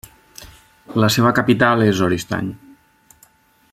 La seva capital és Oristany.